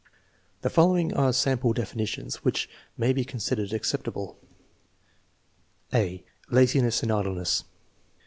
The following are sample definitions which may be con sidered acceptable: (a) Laziness and idleness.